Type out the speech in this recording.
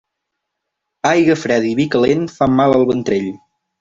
Aigua freda i vi calent fan mal al ventrell.